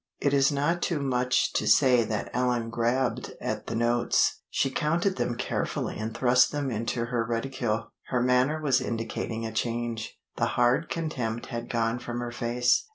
It is not too much to say that Ellen grabbed at the notes. She counted them carefully and thrust them into her reticule. Her manner was indicating a change. The hard contempt had gone from her face.